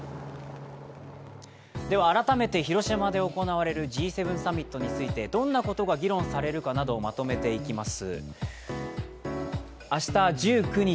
改めて広島で行われるＧ７サミットについてどんなことが議論されるかなどをまとめていきます。